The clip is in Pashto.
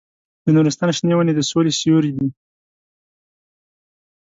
د نورستان شنې ونې د سولې سیوري دي.